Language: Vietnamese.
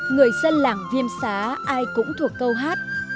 người dân làng viêm xá ai cũng thuộc câu hát